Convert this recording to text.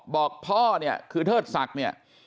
บอกพ่อเนี่ยคือเทิดศักดิ์เนี่ย